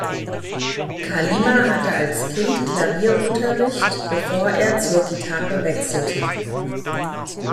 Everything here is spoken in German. Kalima hatte als Kind Klavierunterricht, bevor er zur Gitarre wechselte.